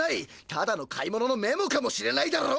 ただの買い物のメモかもしれないだろ！？